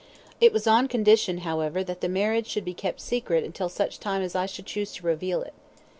It was on condition, however, that the marriage should be kept secret until such time as I should choose to reveal it.